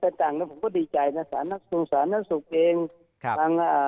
แต่จากนั้นผมก็ดีใจนะศาลนักศูนย์ศาลนักศูนย์สุขเอง